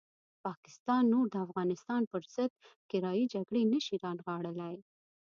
پاکستان نور د افغانستان پرضد کرایي جګړې نه شي رانغاړلی.